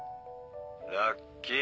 ラッキー。